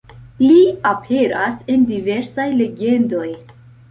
Li aperas en diversaj legendoj.